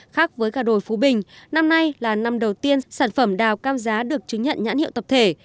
khác với gà đồi phú bình năm nay là năm đầu tiên sản phẩm đào cam giá được chứng nhận nhãn hiệu tập thể